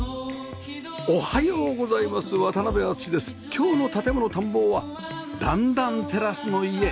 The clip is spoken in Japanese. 今日の『建もの探訪』は段々テラスの家